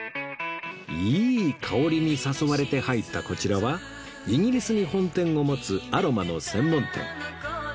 いい香りに誘われて入ったこちらはイギリスに本店を持つアロマの専門店